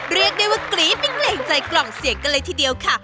เรียกได้ว่ากรี๊ดไม่เกรงใจกล่องเสียงกันเลยทีเดียวค่ะ